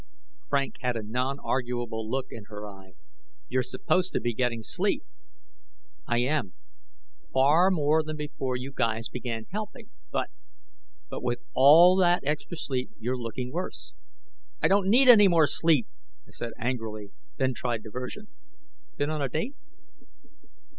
Frank had a nonarguable look in her eye. "You're supposed to be getting sleep." "I am, far more than before you guys began helping, but " "But with all that extra sleep, you're looking worse." "I don't need any more sleep!" I said angrily, then tried diversion, "Been on a date?"